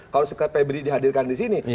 kalau sekepebri dihadirkan di sini